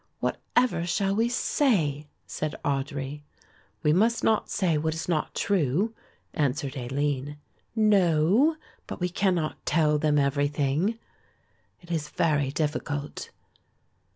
"Whatever shall we say?" said Audry. "We must not say what is not true," answered Aline. "No, but we cannot tell them everything." "It is very difficult."